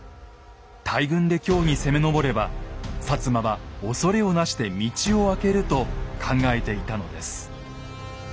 大軍で京に攻め上れば摩は恐れをなして道を空けると考えていたのです。